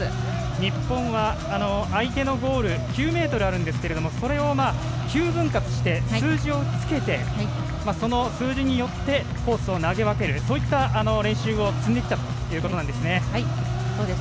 日本は相手のゴール９ｍありますがそれを９分割して数字をつけてその数字によってコースを投げ分けるそういった練習を積んできたということです。